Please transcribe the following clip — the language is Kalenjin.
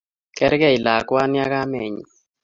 Kerkei lakwani ak kamennyi